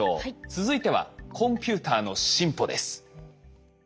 続いてはコンピューターの進歩です。